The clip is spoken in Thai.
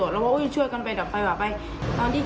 ระหว่างคุณพ่านไปช่วยดับเพลิงน่าช่วยดับเพลิงด้วย